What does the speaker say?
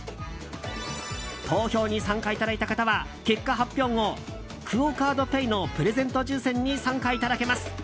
投票に参加いただいた方は結果発表後クオ・カードペイのプレゼント抽選に参加いただけます。